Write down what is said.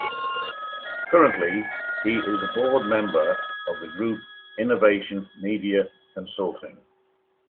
Currently he is a board member of the group Innovation Media Consulting.